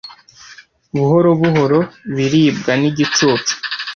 buhoro buhoro biribwa nigicucu